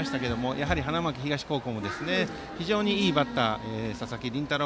やはり花巻東高校も非常にいいバッター佐々木麟太郎